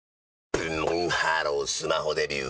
ブンブンハロースマホデビュー！